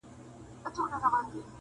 څراغه بلي لمبې وکړه؛